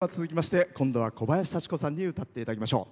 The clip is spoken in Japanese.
それでは、続きまして今度は小林幸子さんに歌っていただきましょう。